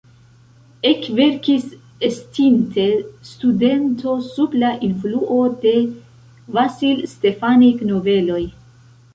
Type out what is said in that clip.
Ekverkis estinte studento sub la influo de Vasil Stefanik-noveloj.